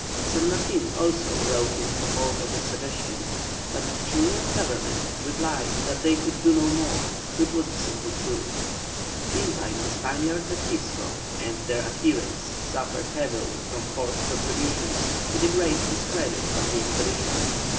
San Martin also wrote in support of this suggestion, but the Chilian Government replied that they could do no more, which was the simple truth. Meantime the Spaniards at Pisco and their adherents suffered heavily from forced contributions, to the great discredit of the expedition.